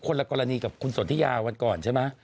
ละกรณีกับคุณสนทิยาวันก่อนใช่ไหม